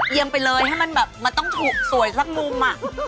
เอียงไปเลยให้มันต้องถูกสวยสักมุม